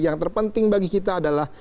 yang terpenting bagi kita adalah